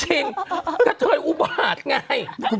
จริงกะเตยอุบาดอย่างไร